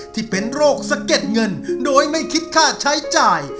ที่เป็นโรคสะเก็ดเงินโดยไม่คิดค่าใช้จ่าย